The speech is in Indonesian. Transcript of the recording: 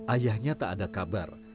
ayahnya tak ada kabar